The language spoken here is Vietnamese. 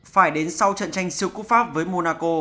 phải đến sau trận tranh siêu quốc pháp với monaco